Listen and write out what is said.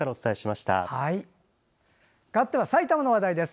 かわっては埼玉の話題です。